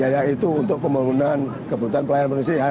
ya itu untuk pembunuhan kebutuhan pelayanan manusia